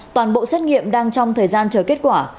toàn bộ xét nghiệm đang trong thời gian chờ kết quả